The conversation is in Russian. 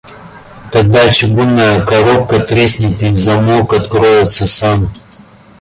Тогда чугунная коробка треснет и замок откроется сам.